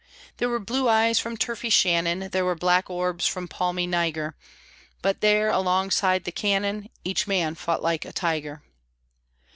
There were blue eyes from turfy Shannon, There were black orbs from palmy Niger, But there alongside the cannon, Each man fought like a tiger!